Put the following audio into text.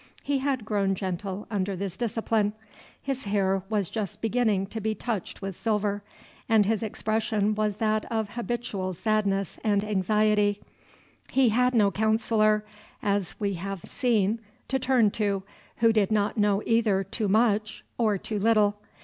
He had grown gentle under this discipline. His hair was just beginning to be touched with silver, and his expression was that of habitual sadness and anxiety. He had no counsellor, as we have seen, to turn to, who did not know either too much or too little.